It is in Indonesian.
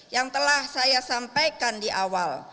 yang telah saya sampaikan di awal